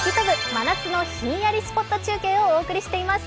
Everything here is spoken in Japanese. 真夏のひんやりスポット中継をお送りしています。